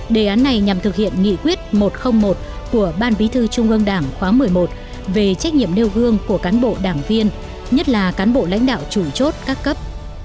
đề án này nhằm thực hiện nghị quyết một trăm linh một của ban bí thư trung ương đảng khóa một mươi một về trách nhiệm nêu gương của cán bộ đảng viên nhất là cán bộ lãnh đạo chủ chốt các cấp